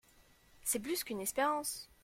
C’est plus qu’une espérance !